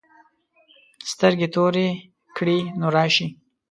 سترګې تورې کړې نو راشې.